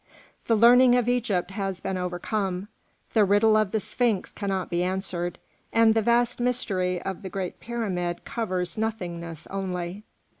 The learning of Egypt has been overcome, the riddle of the sphinx cannot be answered, and the vast mystery of the great Pyramid covers nothingness only."